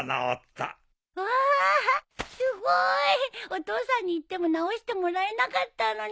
お父さんに言っても直してもらえなかったのに。